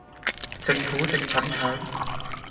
政府正粉腸